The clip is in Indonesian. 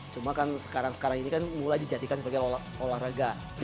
cuma kan sekarang sekarang ini kan mulai dijadikan sebagai olahraga